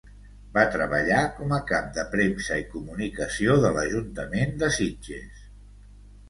Va treballar com a cap de premsa i comunicació de l'ajuntament de Sitges.